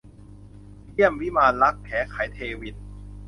เยี่ยมวิมานรัก - แขไข เทวินทร์